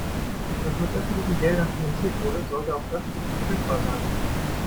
Was mit öffentlichen Geldern finanziert wurde, sollte auch öffentlich verfügbar sein.